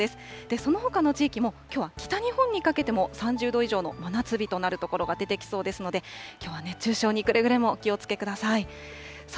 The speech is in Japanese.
そのほかの地域もきょうは北日本にかけても、３０度以上の真夏日となる所が出てきそうですので、きょうは熱中症にくれぐれもお気をつけください。